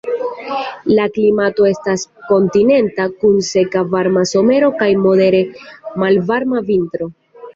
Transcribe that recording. La klimato estas kontinenta, kun seka varma somero kaj modere malvarma vintro.